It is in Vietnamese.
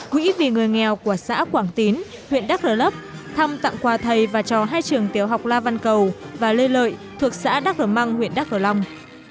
quỹ vì người nghèo của xã quảng tín huyện đắk hờ lấp thăm tặng quà thầy và cho hai trường tiểu học la văn cầu và lê lợi thuộc xã đắk hờ măng huyện đắk hờ long